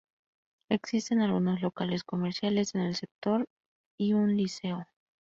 Existen algunos locales comerciales en el sector y un liceo.